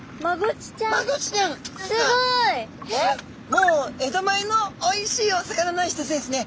もう江戸前のおいしいお魚の一つですね。